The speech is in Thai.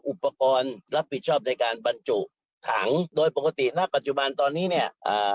อุปกรณ์รับผิดชอบในการบรรจุถังโดยปกติณปัจจุบันตอนนี้เนี่ยอ่า